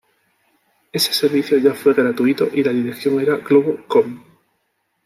Ese servicio ya fue gratuito y la dirección era "globo.com".